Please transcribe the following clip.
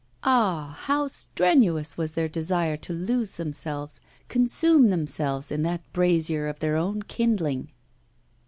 Ah! how strenuous was their desire to lose themselves, consume themselves, in that brazier of their own kindling!